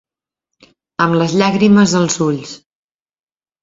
Amb les llàgrimes als ulls.